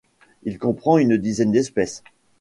Il comprend une dizaine d'espèces.